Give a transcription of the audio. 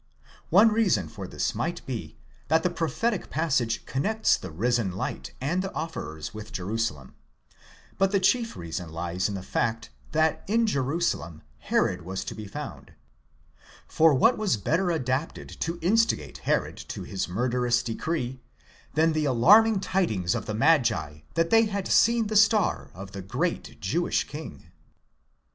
One reason for this might be, that the prophetic passage connects the risen light and the offerers with Jerusalem ; but the chief reason lies in the fact, that in Jeru salem Herod was to be found ; for what was better adapted to instigate Herod to his murderous decree, than the alarming tidings of the magi, that they had seen the star of the great Jewish king?